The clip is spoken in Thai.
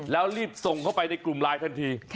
แล้วรีบส่งเข้าไปในกลุ่มไลน์ทันที